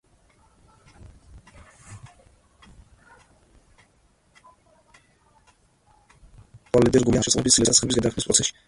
შუალედი რგოლია ნახშირწყლების, ცილებისა და ცხიმების გარდაქმნის პროცესში.